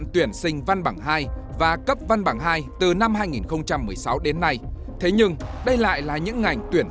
tuyển sinh văn bằng hai